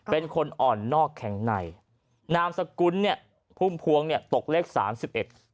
เป็นคนอ่อนนอกแข็งในนามสกุลเนี่ยพุ่มพวงเนี่ยตกเลขสามสิบเอ็ด